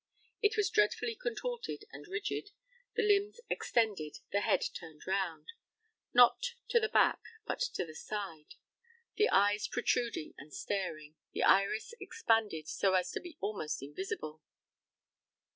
It was dreadfully contorted and rigid, the limbs extended, the head turned round not to the back, but to the side the eyes protruding and staring, the iris expanded so as to be almost invisible.